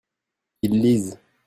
ils lisent.